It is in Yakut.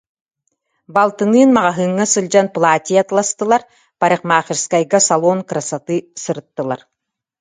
Балтыныын маҕаһыыҥҥа сылдьан платье атыыластылар, парикмахерскайга, «Салон красоты» сырыттылар